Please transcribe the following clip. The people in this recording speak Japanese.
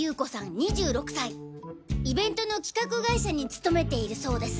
２６歳イベントの企画会社に勤めているそうです。